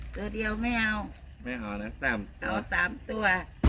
ตัวเดียวไม่เอาไม่เอานะสามเอาสามตัว